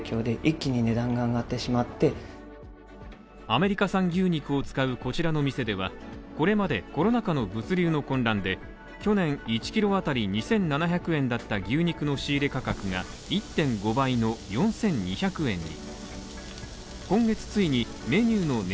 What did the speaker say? アメリカ産牛肉を使うこちらの店ではこれまで、コロナ禍の物流の混乱で去年、１キロ当たり２７００円だった牛肉の仕入れ価格が１．５倍の４２００円に。